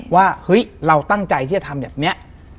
ว่าเฮ้ยเราตั้งใจที่จะทำแบบนี้